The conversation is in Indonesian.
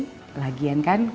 kalian tuh satu kampus